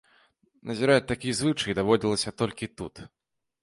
Назіраць такі звычай даводзілася толькі тут.